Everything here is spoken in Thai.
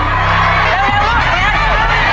เร็วเร็วเร็ว